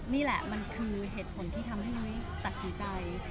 นี่แหละมันคือเหตุผลที่ทำให้นุ้ยตัดสินใจ